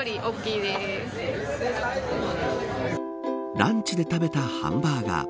ランチで食べたハンバーガー。